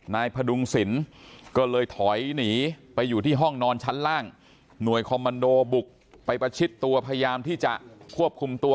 พดุงศิลป์ก็เลยถอยหนีไปอยู่ที่ห้องนอนชั้นล่างหน่วยคอมมันโดบุกไปประชิดตัวพยายามที่จะควบคุมตัว